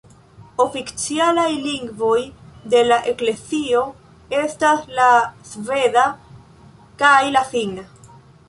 Oficialaj lingvoj de la eklezio estas la sveda kaj la finna.